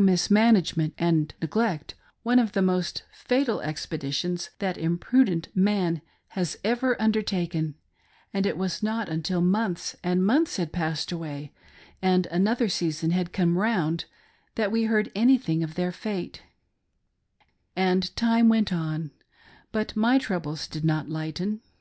mismanagement and neglect, one of the most fatal expeditions that imprudent man has ever undertaken ; and it was not until months and months had passed away, and another season had come round that we heard anything of their fate; And time went on, but my troubles did not lighten.